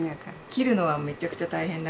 切るのはめちゃくちゃ大変だから。